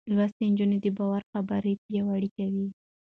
لوستې نجونې د باور خبرې پياوړې کوي.